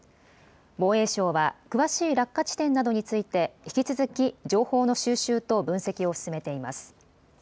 防衛省は詳しい落下地点などについて引き続き情報の収集と分析を進めています。